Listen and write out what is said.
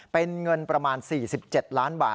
เป็นเงินประมาณ๔๗ล้านบาท